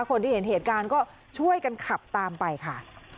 คนที่เห็นเหตุการณ์ก็ช่วยกันขับตามไปค่ะ